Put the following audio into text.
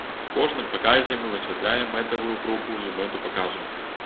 У кожным паказе мы высвятляем мэтавую групу і мэту паказу.